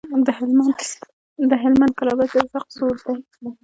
د هلمند کلابست د اسحق زو دی.